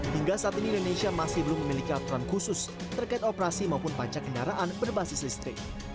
hingga saat ini indonesia masih belum memiliki aturan khusus terkait operasi maupun pajak kendaraan berbasis listrik